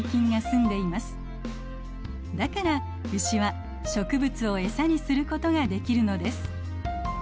だからウシは植物をエサにすることができるのです。